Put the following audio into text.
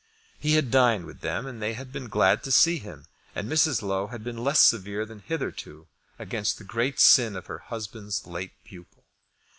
He had dined with them, and they had been glad to see him, and Mrs. Low had been less severe than hitherto against the great sin of her husband's late pupil.